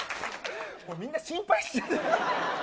もうみんな心配しちゃうよ。